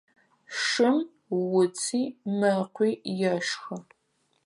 Шым уци мэкъуи ешхы.